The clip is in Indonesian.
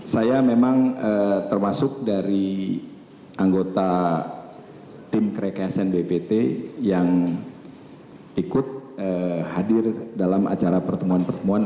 saya memang termasuk dari anggota tim kreke snbpt yang ikut hadir dalam acara pertemuan pertemuan